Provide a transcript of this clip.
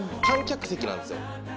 観客席なんですよ。